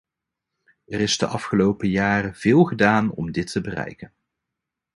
Er is de afgelopen jaren veel gedaan om dit te bereiken.